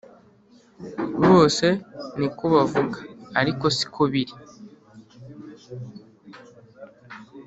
Bose nikobavuga ariko sikobiri